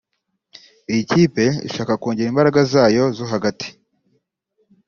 Iyi kipe ishaka kongera imbaraga zayo zo hagati